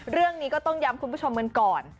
เรื่องนี้ก็ต้องย้ำคุณผู้ชมกันก่อน